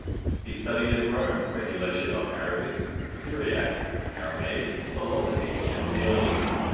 He studied at Rome, where he lectured on Arabic, Syriac, Aramaic, philosophy and theology.